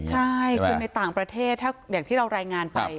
ใช่คนในต่างประเทศถ้าอย่างที่เรารายงานไป